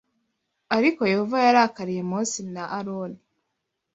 Ariko Yehova yarakariye Mose na Aroni